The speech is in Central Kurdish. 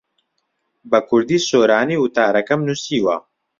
بە کوردیی سۆرانی وتارەکەم نووسیوە.